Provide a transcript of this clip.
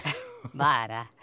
まあな。